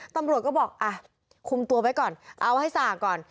ตำรวจก็บอกอ่ะคุมตัวไว้ก่อนเอาให้ส่างก่อน